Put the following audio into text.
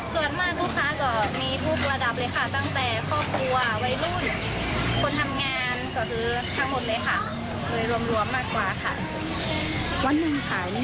ส่วนมากลูกค้าก็มีทุกระดับเลยค่ะตั้งแต่ครอบครัววัยรุ่นคนทำงานก็คือทั้งหมดเลยค่ะ